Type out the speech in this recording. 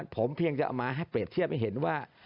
ผมเพียงจะเอามาให้เปรียบเทียบให้เห็นว่า